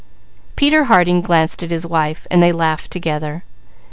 Peter Harding glanced at his wife, then they laughed together.